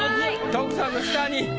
徳さんの下に。